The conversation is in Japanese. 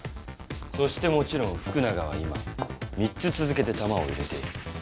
そしてもちろん福永は今３つ続けて弾を入れている。